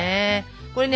これね